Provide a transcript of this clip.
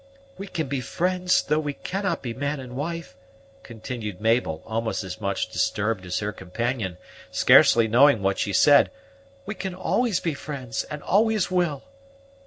"We can be friends, though we cannot be man and wife," continued Mabel, almost as much disturbed as her companion, scarcely knowing what she said; "we can always be friends, and always will."